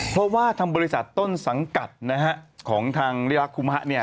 เพราะว่าทางบริษัทต้นสังกัดนะฮะของทางลีลาคุมะเนี่ย